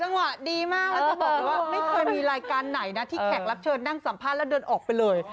จังหวะดีมากจะบอกเลยว่าไม่เคยมีรายการไหนนะที่แขกประชาชนั่งสัมพันธุ์แล้วเดินออกไปเลย